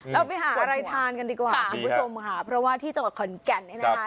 เราไปหาอะไรทานกันดีกว่าคุณผู้ชมค่ะเพราะว่าที่จังหวัดขอนแก่นเนี่ยนะคะ